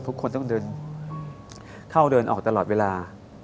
ทุกคนต้องเดินเข้าเดินออกตลอดเวลา